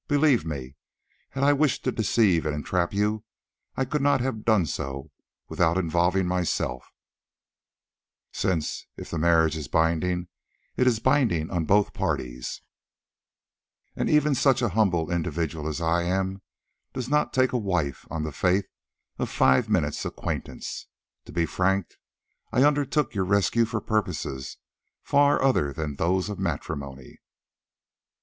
Believe me, had I wished to 'deceive and entrap' you, I could not have done so without involving myself, since, if the marriage is binding, it is binding on both parties, and even such a humble individual as I am does not take a wife on the faith of a five minutes' acquaintance. To be frank, I undertook your rescue for purposes far other than those of matrimony."